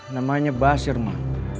namanya basir mak